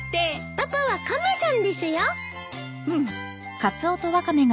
パパは亀さんですよ。